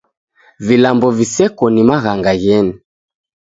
Vilambo viseko ni maghanga gheni.